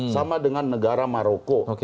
sama dengan negara maroko